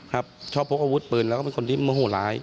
ครับชอบพกอาวุธปืนแล้วก็เป็นคนที่โมโหร้าย